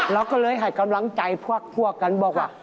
เราก็เลยให้กำลังใจพวกกันบอกว่า